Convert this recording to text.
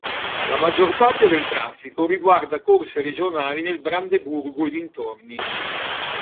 La maggior parte del traffico riguarda corse regionali nel Brandeburgo e dintorni.